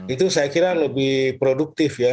itu saya kira lebih produktif ya